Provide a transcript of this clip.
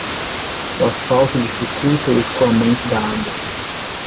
O asfalto dificulta o escoamento da água.